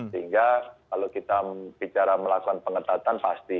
sehingga kalau kita bicara melakukan pengetatan pasti